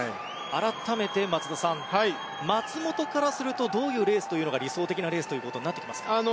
改めて松田さん松元からするとどういうレースが理想的なレースになってきますか。